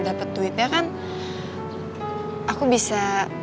dapat duit ya kan aku bisa